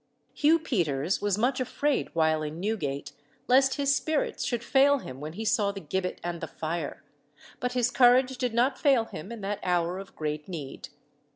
Hugh Peters was much afraid while in Newgate lest his spirits should fail him when he saw the gibbet and the fire, but his courage did not fail him in that hour of great need.